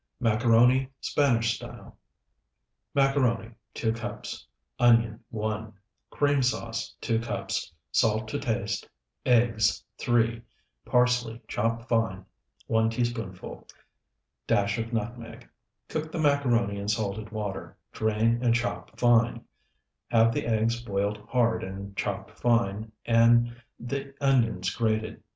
MACARONI (SPANISH STYLE) Macaroni, 2 cups. Onion, 1. Cream sauce, 2 cups. Salt to taste. Eggs, 3. Parsley, chopped fine, 1 teaspoonful. Dash of nutmeg. Cook the macaroni in salted water, drain, and chop fine; have the eggs boiled hard and chopped fine, and the onions grated.